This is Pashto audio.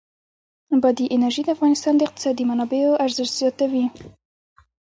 بادي انرژي د افغانستان د اقتصادي منابعو ارزښت زیاتوي.